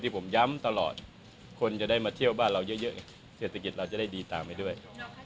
ผมย้ำตลอดคนจะได้มาเที่ยวบ้านเราเยอะเศรษฐกิจเราจะได้ดีตามไปด้วย